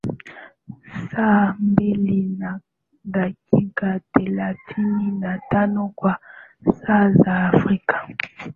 saa mbili na dakika thelathini na tano kwa saa za afrika